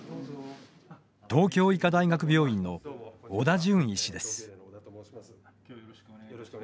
東京医科大学病院の織田順医師です。